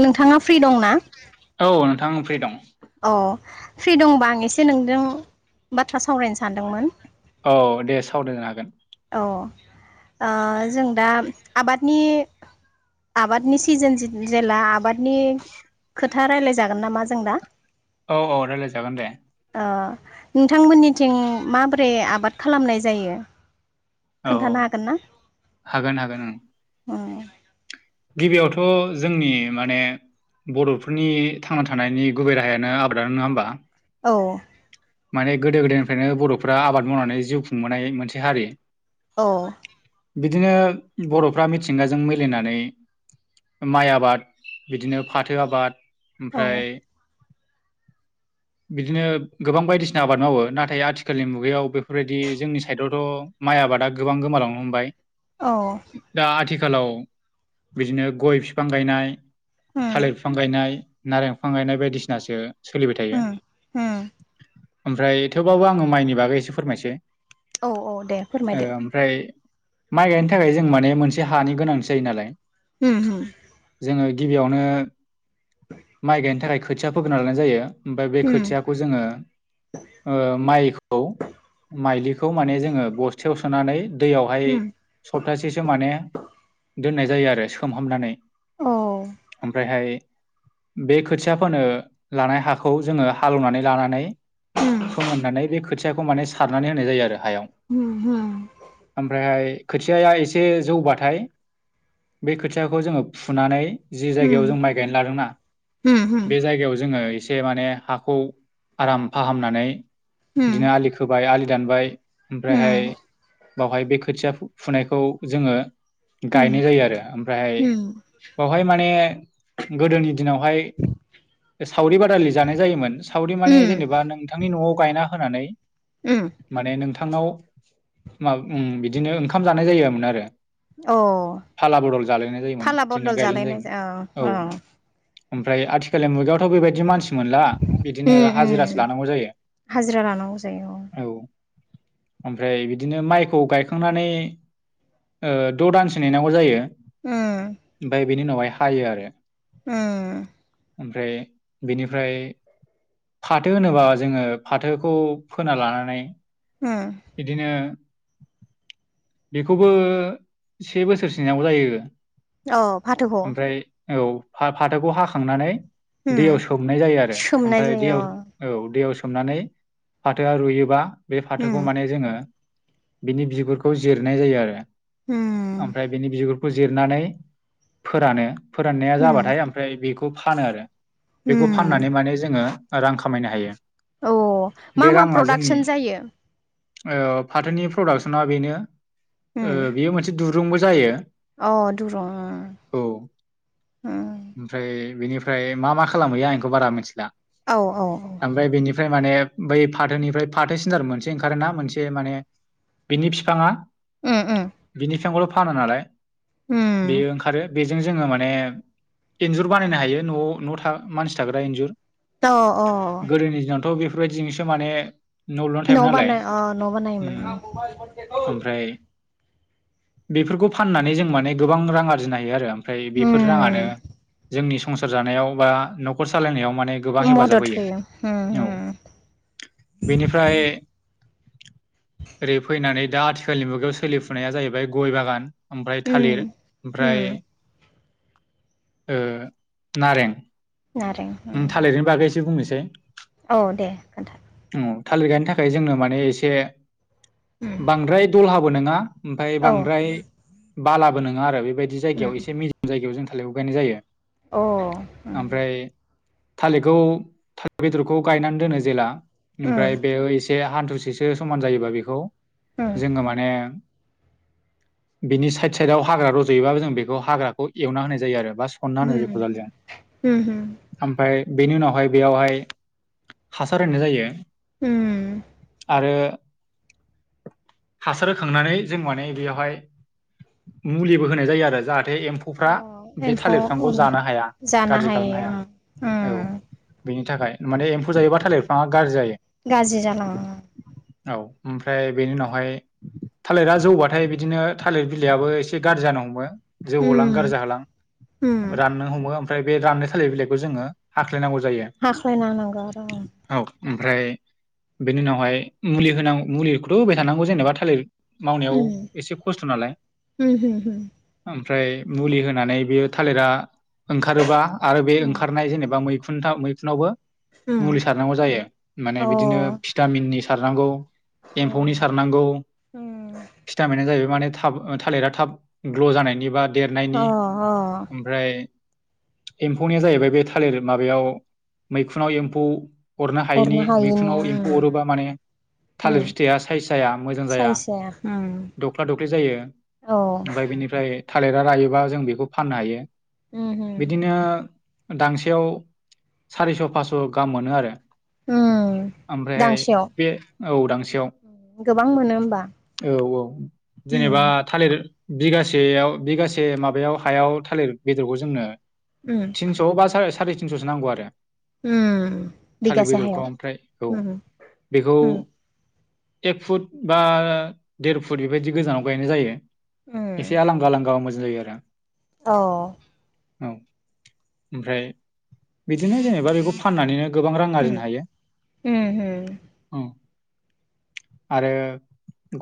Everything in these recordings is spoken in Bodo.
नोंथाङा फ्रि दंना? औ नोंथां आं फ्रि दं औ फ्रि दंबा आं एसे नोंजों बाथ्रा सावरायनो सानदोंमोन। औ दे सावरायनो हागोन। औ ओ जों दा आबादनि आबादनि सिजोन जेला आबादनि खोथा रायज्लायजागोन नामा जों दा? औ औ रायलायजागोन दे। ओ नोंथांमोननिथिं माबोरै आबाद खालामनाय जायो? औ खोन्थानो हागोन ना हागोन हागोन ओं उम गिबियावथ' जोंनि माने बर'फोरनि थांना थानायनि गुबै राहायानो आबादानो नङा होमबा? औ। माने गोदो गोदायनिफ्रायनो बर'फोरारा आबाद मावनानै जिउ खुंबोनाय मोनसे हारि औ। बिदिनो बर'फ्रा मिथिंगाजों मिलायनानै माइ आबाद बिदिनो फाथो आबाद औ ओमफ्राय बिदिनो गोबां बायदिसिना आबाद मावो नाथाय आथिखालनि मुगायाव बेफोरबायदि जोंनि साइडआवथ' माइ आबादा गोबां गोमा हमबाय औ। आथिखालाव बिदिनो गय बिफां गायनाय उम थालिर बिफां गायनाय। नारें बिफां गायनाय बायदिसिनासो सोलिबाय थायो। उम उम ओमफ्राय थेवबाबो आङो माइनि बागै एसे फोरमायसै। औ औ दे ओ फोरमायदो। ओमफ्राय माइ गायनो थाखाय जों माने मोनसे हानि गोनांथि जायो नालाय ह होम। जोङो गिबियावनो माइ गायनो थाखाय खोथिया फोगोरना लानाय जायो ओमफ्राय बे उम खोथियाखौ जोङो माइलिखौ माने जोङो बस्थायाव सोनानै दैयावहाय उम सप्तासेसो माने दोननाय जायो आरो सोमहामनानै औ ओमफ्रायहाय बे खोथिया फोनो लानाय हाखौ जोङो हालेवनानै लानानै उम फोमोननानै बे खोथियाखौ माने सारनानै होनाय जायो आरो हायाव उम उम ओमफ्रायहाय खोथियाया एसे जौबाथाय बे खोथियाखौ जोङो फुनानै जि उम जायगायाव जों माइ गायना लादोंना औ बे जायगायाव जोङो एसे माने हाखौ आराम फाहामनानै बिदिनो आलि खोबाय आलि दानबाय ओमफ्रायहाय बावहाय बे खोथिया फुनायखौ जोङो गायनाय जायो आरो ओमफ्रायहाय बेावहाय माने गोदोनि दिनावहाय सावरि बादालि जानाय जायोमोन सावरि माने जेनेबा नोंथांनि न'आव गायना हो होनानै माने नोंथ बिथांनाव बिदिनो ओंखाम जानाय जायामोन आरो फाला बदल जालायनाय जायोमोन फाला बिदिनो बदल गायलायनाय जालायनाय जायोमोन जा- औ। ओमफ्राय आथिखालनि मुगायावथ' बेबायदि मानसि मोनला। बिदिनो उम हाजिरासो उम लानांगौ जायो हाजिरा लानांगौ जायो औ। ओमफ्राय बिदिनो माइखौ गायखांनानै द' दानसो नेनांगौ जायो उम ओमफ्राय बेनि उनावहाय हायो आरो। उम। ओमफ्राय बेनिफ्राय फाथो होनोबा जोङो फाथोखौ फोना लानानै उम बिदिनो बेखौबो से बोसोरसोव जायो। अ फाथोखौ? ओमफ्राय औ फाथोखौ हाखांनानै उम दैयाव सोमनाय जायो आरो सोमनाय ओमफ्राय जायो अ दैयाव औ दैयाव सोम सोमनानै फाथोआ रुयोबा बे फाथोखौ माहोनो जोङो बिनि बिगुर बे खौ जिरनाय जायो आरो ओमफ्राय बेनि बिगुरखौ जिरनानै फोरानो फोराननाया जाबाथाय ओमफ्राय बेखौ फानो आरो। बेखौ फाननानै माने जोङो रां खामायनो हायो। औ मा बे मा राङा जोंनि प्रडाक्सन जायो ओ फाथोनि प्रडाक्सना बेनो उम बेयो मोनसे दुरुंबो जायो। अ दुरुं। औ बिनिफ्राय मा मा खालामहैया आंखौ बारा मिथिला। औ औ औ। ओमफ्राय बेनिफ्राय माने बै फाथोनिफ्राय फाथोसिनार मोनसे ओंखारोना मोनसे माने बिनि बिफाङा उम उम बिनि फिफांखौल' फाना नालाय उम बेयो ओंखारो। बेजों जोङो माने इन्जुर बानायनो हायो न'आव न मानसि थाग्रा इन्जुर। अ अ। गोदोनि दिनावथ' बेफोरबायदिजोंसो माने न' लुनानै थायोमोन न' नालाय। बानाय अ न' बानायोमोन ओं ओमफ्राय बेफोरखौ फाननानै जों माने गोबां रां आरजिनो हायो आरो। ओमफ्राय बेफोर राङानो उम जोंनि संसार जानायाव बा न'खर सालायनायाव माने गोबां हेफाजाब मदद होयो। औ उम बेनिफ्राय ओरै फैनानै दा आथिखालनि मुगायाव सोलिफुनाया जाहैबाय गय बागान ओमफ्राय उम थालिर ओमफ्राय उम ओ नारें नारें उम थालिरनि बागैसो बुंनोसै‌ औ दे खोन्था। थालिर गायनो थाखाय जोंनो माने एसे उम बांद्राय दल हाबो नङा ओमफफ्राय औ बांद्राय बालाबो नङा आरो बेबायदि जायगायाव उम एसे मिजिम जायगायाव जों थालिरखौ गायनाय जायो। अ। ओमफ्राय थालिरखौ बेदरखौ गायनानै दोनो जेला ओमफ्राय बेयो एसे हाथ ससेसो समान जायोबा बेखौ उम जोङो माने बिनि साइड साइडआव हाग्रा रज'योबाबो जों बेखौ हाग्राखौ एवना होनाय जायो आरो। सनना होनाय जायो खदालजों उम ओमफ्राय बेनि उनावहाय बेयावहाय हासार होननाय जायो। उम। आरो हासार होखांनानै जों माने बेयावहाय मुलिबो होनाय जायो आरो जाहाथ जाहाथे एम्फौफ्रा अ बे एम्फौ थालिर बिफांखौ अरना जानो हाया जानो गाज्रि खालामनो हायो हाया। उम औ उम बिनि थाखाय माने एम्फौ जायोबा थालिर बिफाङा गाज्रि जायो। गाज्रि जानाङा। औ ओमफ्राय बेनि उनावहाय थालिरा जौबाथाय बिदिनो थालिर बिलाइयाबो एसे गाज्रि जानो हमो, जौ हलां उम गारजा होलां उम राननो हमो ओमफ्राय बे राननाय थालिर बिलाइखौ जोङो हा ख्लायनांगौ जायो। हाख्लायना होनांगौ आरो ओमफ्राय बेनि उनावहाय मुलि होनांगौ मुलिखौथ' हाय थानांगौ जेनेबा थालिर मावनायाव उम एसे खस्थ' नालाय। उम उम उम ओमफ्राय मुलि होनानै बेयो थालिरा ओंखारोबा आरो बे उम एबा मैखुनआवबो उम मुलि सारनांगौ जायों ‌माने बिदिनो अ भिथामिननि सारनांगौ अ एम्फौनि सारनांगौ अ भिथामिनो जाहैबाय माने थाब थालिरा थाब ग्ल' जानायनि बा देरनायनि अ ओमफ्राय, एम्फौनिया जाहैबाय बे थालिर माबायाव मैखुनाव एम्फौ अरनो हायैनि हरनो हायिनि मैखुनाव एम्फौ अरोबा माने थालिर उम फिथाइया साइज जाया मोजां जाया। साइस उम दख्ला दख्लि जायो। औ ओमफ्राय बेनिफ्राय थालिरा रायोबा जों बेखौ फाननो हायो। उम बिदिनो दांसेयाव सारिस' फास्स' गाहाम मोनो आरो। उम ओमफ्रायहाय दांसेयाव बे औ दांसेयाव? गोबां मोनो होमबा औ औ जेनेबा उम थालिर बिगासेयाव बिगासे माबायाव हायाव थालिर बेदरखौ जोंनो उम। थिनस' बा साराय थिनस'सो नांगौ आरो। उम थालिर बिगासे बेदरखौ हायाव ओमफ्राय औ उम बेखौ उम एक फुट बा देर फुट बेबायदि गोजानाव गायनाय जायो। उम एसे आलांगा आलांगा मोजां जायो आरो। औ। औ ओमफ्राय बिदिनो जेनेबा बेखौ फाननानैनो गोबां रां उम आरजिनो हायो उम औ। [inaudible] आरो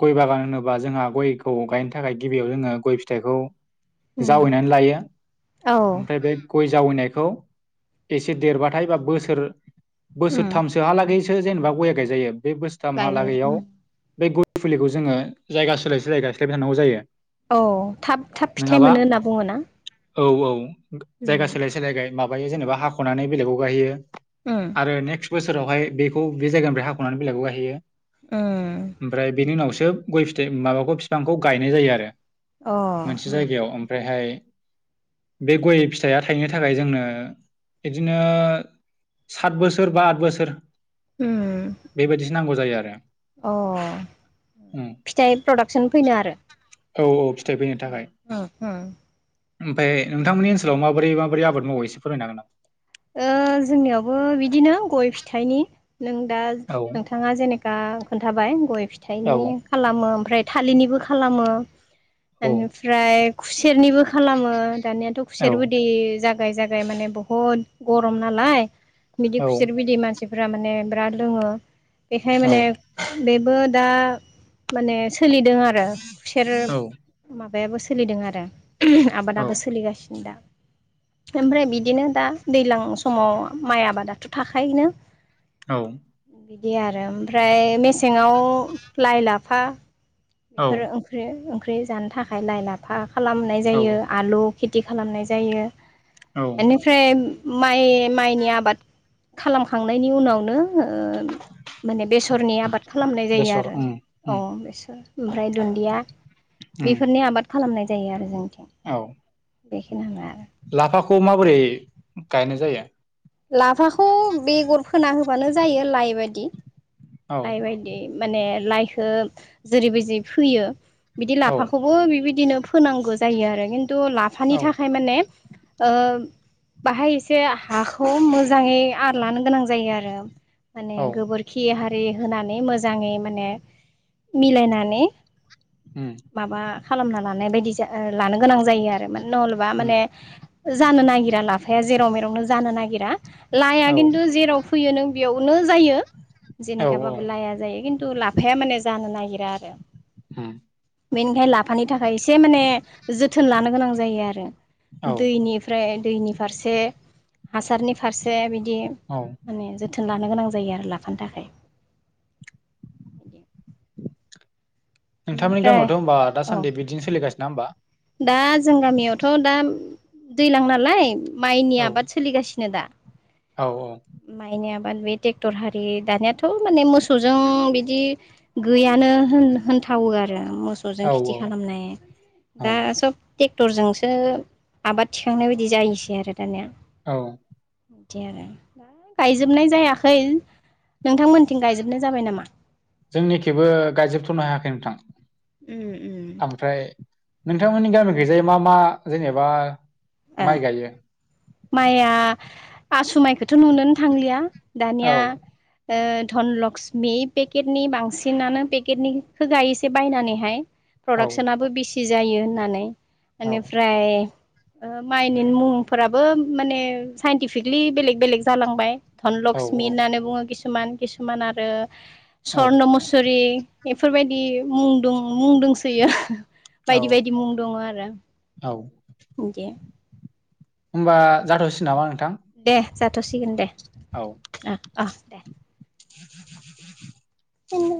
गय बागान होनोबा जोंहा गयखौ गायनो थाखाय गिबियाव जोङो गय फिथाइखौ उम जावैनानै लायो औ ओमफ्राय बे गय जावैनायखौ एसे देरबाथाय बा बोसोर उम बोसोरथामसोहालागै सो जेनेबा गया गायजायो बे बोसोरथामहा गायजायो लागौयाव उम बे गय फुलिखौ जोङो जायगा सोलाय सोलाय गायस्लायबाय थानांगौ जायो। औ थाब थाब फिथाइ नङाबा मोनो होनना बुङो ना? औ औ जायगा सोलाय सोलाय गाय माबायो जेनेबा हाख'नानै बेलेगाव गायहैयो उम आरो नेक्स्ट बोसोरावहाय बेखौ बे जायगानिफ्राय हाख'नानै बेलेगाव गायहैयो। उम ओमफ्राय बेनि उनावसो गय फिथाइ माबाखौ बिफांखौ गायनाय जायो आरो। अ मोनसे जायगायाव ओमफ्रायहाय बे गय फिथाइया थाइनो थाखाय जोंनो बिदिनो सत बोसोर बा आद बोसोर उम बेबायदिसो नांगौ जायो आरो। अ उम, फिथाइ प्रडाक्सन फैनो आरो? औ औ। फिथाइ फैनो उम थाखाय उम। ओमफ्राय नोंथांमोननि ओनसोलाव माबोरै माबोरै आबाद मावो एसे फोररायनो हागोन नामा? जोंनियावबो बिदिनो गय फिथाइनि नों दा हागोन नोंथाङा जेनेखि खोन्थाबाय गय नामा? औ फिथाइनि खालामो। ओमफ्राय थालिरनिबो खालामो एनिफ्राय खुसेरनिबो खालामो। दानियाथ' औ खुसेरबो दै जागाय जागाय माने बहुद गरम नालाय। बिदि औ खुसेर बिदै मानसिफोरा माने बिराद लोङो बेखाय औ माने बेबो दा माने सोलिदों आरो खुसेर औ माबा माबायाबो सोलिदों आरो ओहोम आबादाबो सोलिगासिनो दा ओमफ्राय बिदिनो दा दैज्लां समाव माइ आबादाथ' थाखायोनो औ बिदि आरो ओमफ्राय मेसेंआव लाइ, लाफा औ बेफोर ओंख्रि-ओंख्रि जानो थाखाय लाइ, लाफा खालामनाय औ जायो आलु खेथि खालामनाय जायो। औ एनिफ्राय माइ माइनि आबाद खालामखांनायनि उनावनो ओह माने बेसरनि आबाद खालामनाय जायो बेसर आरो उम अ उम बेसर ओमफ्राय दुन्दिया उम बेफोरनि आबाद खालामनाय जायो आरो जों औ [inaudible] लाफाखौ माबोरै गायनाय जायो? लाफाखौ बेगर फोना होबानो जायो लाइ बादि। औ लाइ बायदि माने लाइखौ जेरैबायदि फोयो। बिदि औ लाफाखौबो बिबायदिनो फोनांगौ जायो आरो किन तु लाफा औ थाखाय माने ओ बाहाय एसे हाखौ मो जाङै आर लानो गोनां जायो आरो माने औ गोबोरखि हारि होनानै मोजाङै माने मिलायनानै उम माबा खालामना लानाय बायदि जा लानो गोनां जायो आरोमोन नहलबा उम माने जानो नागिरा लाफाया जेराव मेरावनो जानो नागिरा। लाइआ औ किन्थु जेराव फैयो नों बेयावनो जायो। औ जेनेखाबाबो लाया जायो किन्थु लाफाया माने जानो नागिरा आरो। ओम बेनिखायनो लाफानि थाखाय एसे माने जोथोन लानो गोनां जायो आरो। औ दैनिफ्राय दैनि फारसे हासारनि फारसे बिदि औ माने जोथोन लानो गोनां जायो आरो लाफानो थाखाय [unintelligible] नोंथांमोननि ओमफ्राय गामियावथ' होमबा औ दासान्दि बिदि सोलिगासिनोना होमबा? दा जों गामियावथ' दा दैलां नालाय माइनि औ आबाद सोलिगासिनो दा औ औ माइनि आबाद बे ट्रेक्टर हारि दानियाथ' माने मोसौजों बिदि गैयानो होन होन थावो आरो मोसौजों औ खेथि औ खालामनाय औ दा सब ट्रेक्टरजोंसो आबाद थिखांनाय बायदि जायोसै आरो दानिया औ बिदि आरो दा गायजोबनाय जायाखै नोंथांमोनथिं गायजोबनाय जाबाय नामा? जोंनिखिबो गायजोबथ'नो हायाखै नोंथां। उम उम ओमफ्राय नोंथांमोननि गामि खैजाय मा मा जेनेबा माइ गायो? माइया आसु माइखौथ' नुनोनो थांलिया औ दानिया ओ धनलकस्मि पेकेटनि बांसिनानो पेकेटनि खो गायोसै बायनानैहाय। औ प्रडाक्सनाबो बेसि जायो होननानै औ बेनिफ्राय ओ माइनि मुंफोराबो माने साइन्टिफिकलि बेलेग बेलेग जालांबाय। धनलक्मि औ होननानै बुङो किसुमान किसुमान आरो औ स्वर्न मुसुरि बेफोरबायदि मुं दं। मुं दंसोयो औ बायदि बायदि मुं दङ आरो। औ गे होमबा जाथावसिननामा? दे जाथ'सिगोन दे औ ओ अ दे। [inaudible] बेनो